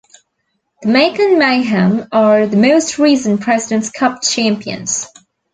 The Macon Mayhem are the most recent President's Cup champions.